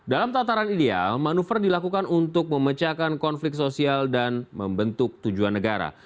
dalam tataran ideal manuver dilakukan untuk memecahkan konflik sosial dan membentuk tujuan negara